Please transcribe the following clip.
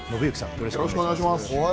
よろしくお願いします。